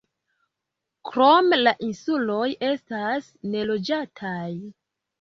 Krome la insuloj estas neloĝataj.